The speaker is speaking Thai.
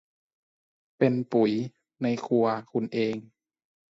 เป็นปุ๋ย ในครัวคุณเอง